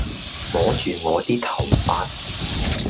摸住我啲頭髮